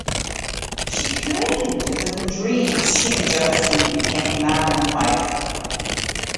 She claimed that in dreams, she and Jefferson became man and wife.